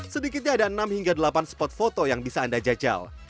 sedikitnya ada enam hingga delapan spot foto yang bisa anda jajal